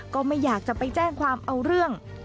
ก็ไม่อยากจะไปแจ้งความเอาเรื่อง